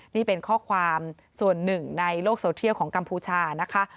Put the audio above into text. นี่เป็นข้อความส่วนหนึ่งในโลกโซเทียลของกัมพูชานะคะ